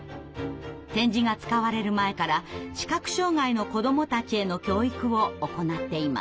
点字が使われる前から視覚障害の子どもたちへの教育を行っていました。